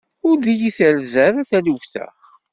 Ur yi-terza ara taluft-a.